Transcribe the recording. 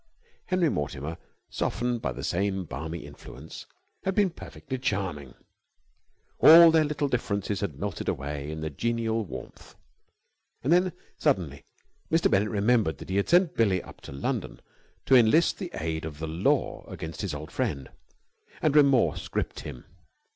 Henry Mortimer, softened by the same balmy influence, had been perfectly charming. All their little differences had melted away in the genial warmth. And then suddenly Mr. Bennett remembered that he had sent Billie up to London to enlist the aid of the Law against his old friend, and remorse gripped him.